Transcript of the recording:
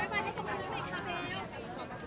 มันเป็นปัญหาจัดการอะไรครับ